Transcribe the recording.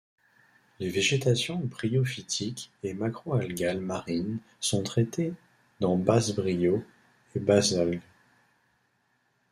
Les végétations bryophytiques et macroalgales marines sont traitées dans basebryo et basealg.